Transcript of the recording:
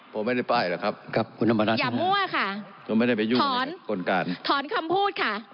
ผมไม่ได้ปล่ายเหรอครับอย่ามั่วค่ะถอนถอนคำพูทค่ะ